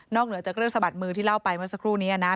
เหนือจากเรื่องสะบัดมือที่เล่าไปเมื่อสักครู่นี้นะ